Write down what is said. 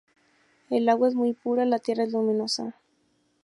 El agua es muy pura, la tierra es luminosa.